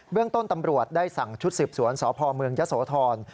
เรื่องต้นตำรวจได้สั่งชุดสืบสวนสพเมืองยะโสธร